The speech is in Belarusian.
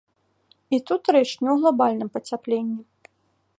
І тут рэч не ў глабальным пацяпленні.